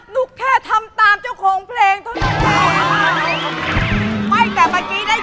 หนูแค่ทำตามเจ้าโครงเพลงทุกอย่างแน่